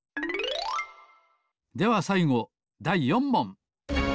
ではさいごだい４もん。